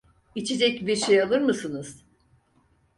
İçecek bir şey alır mısınız?